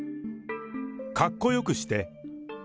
かっこよくして。